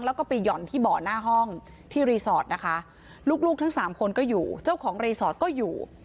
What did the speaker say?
แล้วก็ไปหย่อนที่เบาะหน้าห้องที่รีสอร์ทนะคะลูกลูกทั้งสามคนก็อยู่เจ้าของรีสอร์ทก็อยู่